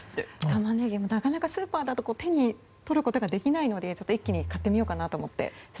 タマネギなかなかスーパーだと手に取ることができないので一気に買ってみようかなと思って。